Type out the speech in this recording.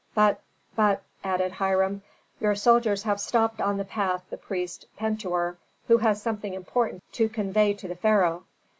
"But but," added Hiram, "your soldiers have stopped on the path the priest Pentuer, who has something important to convey to the pharaoh."